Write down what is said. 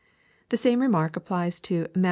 The same re mark applies to Matt.